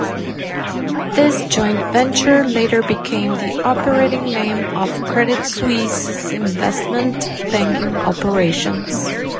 This joint venture later became the operating name of Credit Suisse's investment banking operations.